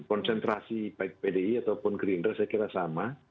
konsentrasi baik pdi ataupun gerindra saya kira sama